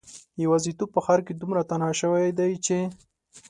یوازیتوب په ښار کې دومره تنها شوی دی چې